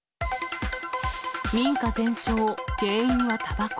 民家全焼、原因はたばこ。